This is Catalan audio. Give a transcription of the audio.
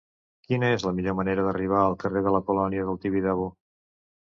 Quina és la millor manera d'arribar al carrer de la Colònia del Tibidabo?